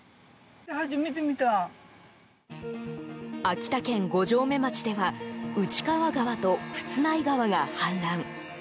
秋田県五城目町では内川川と富津内川が氾濫。